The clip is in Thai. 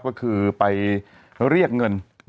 ก็คือไปเรียกเงิน